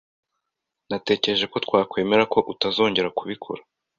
Natekereje ko twakwemera ko utazongera kubikora.